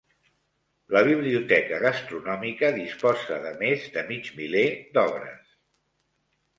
La biblioteca gastronòmica disposa de més de mig miler d'obres.